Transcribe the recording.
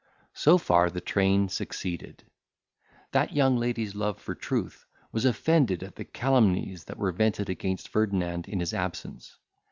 So far the train succeeded. That young lady's love for truth was offended at the calumnies that were vented against Ferdinand in his absence.